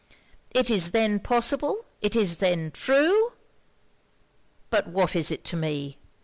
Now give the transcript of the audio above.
It is then possible It is then true! But what is it to me?